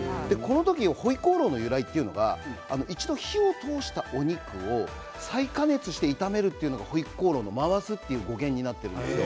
ホイコーローの由来というのは一度火を通したお肉を再加熱して炒めるっていうのがホイコーローの回すという語源になっているんです。